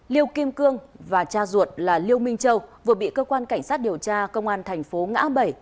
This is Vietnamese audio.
liêu kim cương và cha ruột là liêu minh châu vừa bị cơ quan cảnh sát điều tra công an thành phố ngã bảy